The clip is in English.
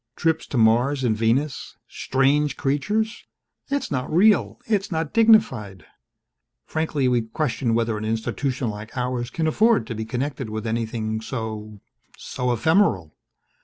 Trips to Mars and Venus strange creatures.... It's not real it's not dignified. Frankly, we question whether an institution like ours can afford to be connected with anything so so ephemeral.